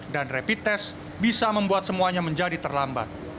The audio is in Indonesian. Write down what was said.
dan rapid test bisa membuat semuanya menjadi terlambat